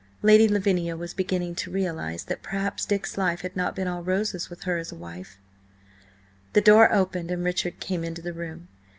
Lady Lavinia was beginning to realise that perhaps Dick's life had not been all roses with her as wife. The door opened and Richard came into the room.